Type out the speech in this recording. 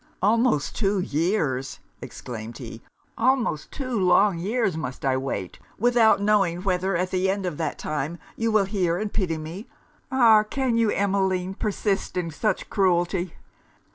'Almost two years!' exclaimed he 'almost two long years must I wait, without knowing whether, at the end of that time, you will hear and pity me! Ah! can you, Emmeline, persist in such cruelty?'